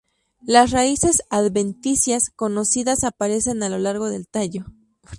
Las raíces adventicias conocidas aparecen a lo largo del tallo.